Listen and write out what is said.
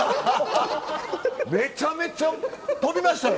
めちゃめちゃ飛びましたよ！